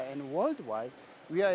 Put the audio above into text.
dan di seluruh dunia